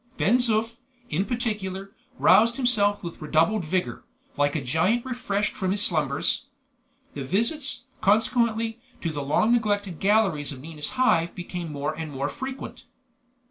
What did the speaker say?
Ben Zoof, in particular, roused himself with redoubled vigor, like a giant refreshed from his slumbers. The visits, consequently, to the long neglected galleries of Nina's Hive became more and more frequent.